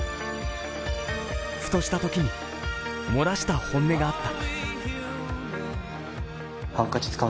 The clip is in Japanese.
ふとしたときに漏らした本音があった。